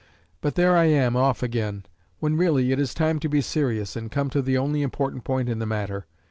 But there I am, off again! when really it is time to be serious, and come to the only important point in the matter.